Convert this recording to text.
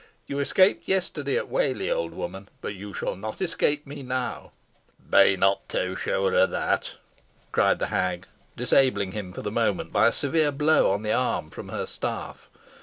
You escaped yesterday at Whalley, old woman, but you shall not escape me now." "Be not too sure of that," cried the hag, disabling him for the moment, by a severe blow on the arm from her staff.